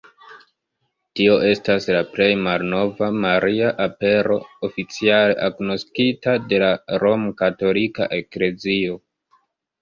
Tio estas la plej malnova Maria Apero oficiale agnoskita de la Romkatolika Eklezio.